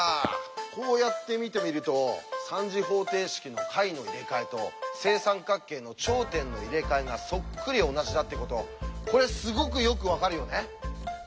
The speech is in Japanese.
こうやって見てみると３次方程式の解の入れ替えと正三角形の頂点の入れ替えがそっくり同じだってことこれすごくよく分かるよね。